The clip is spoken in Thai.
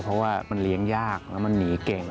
เพราะว่ามันเลี้ยงยากแล้วมันหนีเก่ง